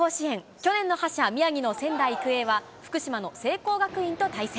去年の覇者、宮城の仙台育英は福島の聖光学院と対戦。